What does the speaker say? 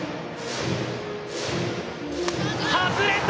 外れた！